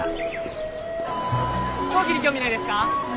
飛行機に興味ないですか？